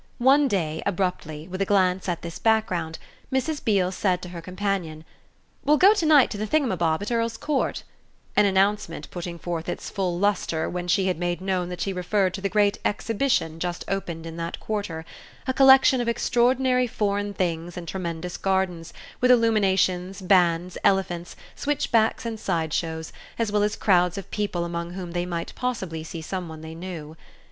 One day, abruptly, with a glance at this background, Mrs. Beale said to her companion: "We'll go to night to the thingumbob at Earl's Court"; an announcement putting forth its full lustre when she had made known that she referred to the great Exhibition just opened in that quarter, a collection of extraordinary foreign things in tremendous gardens, with illuminations, bands, elephants, switchbacks and side shows, as well as crowds of people among whom they might possibly see some one they knew.